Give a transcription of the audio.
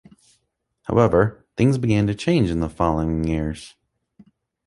However, things began to change in the following years.